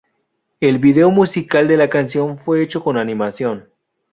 El video musical de la canción fue hecho con animación.